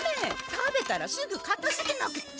食べたらすぐかたづけなくっちゃ。